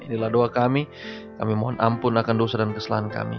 inilah doa kami kami mohon ampun akan dosa dan kesalahan kami